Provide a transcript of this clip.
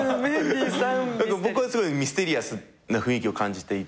僕はすごいミステリアスな雰囲気を感じていて。